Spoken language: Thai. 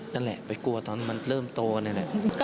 นั่นแหละปี๊ไปกลัวตอนเริ่มโตชักก็นั่นแหละ